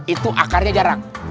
itu akarnya jarang